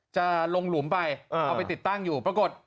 จะลงหลุมไปเอาไปติดตั้งอยู่ปรากฏ